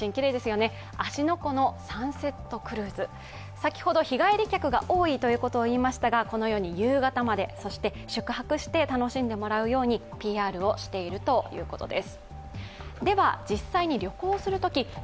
先ほど日帰り客が多いと言いましたが、このように夕方まで、そして宿泊して楽しんでもらうようにＰＲをしているということです。